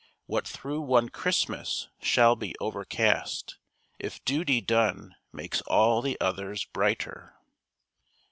What though one Christmas should be overcast, If duty done makes all the others brighter.